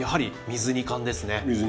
水煮缶です。